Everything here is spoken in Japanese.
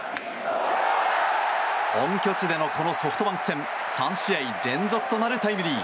本拠地でのこのソフトバンク戦３試合連続となるタイムリー。